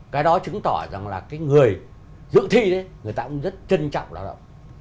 cái đó chứng tỏ rằng là cái người dự thi đấy người ta cũng rất trân trọng lao động